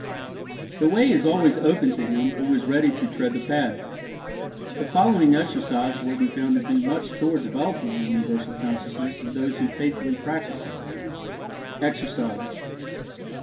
The way is always opened to him who is ready to tread the path. The following exercise will be found to do much toward developing the Universal Consciousness in those who faithfully practice it. EXERCISE.